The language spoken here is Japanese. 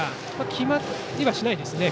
決まりはしないですね。